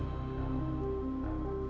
karena itu bukan urusan bisnis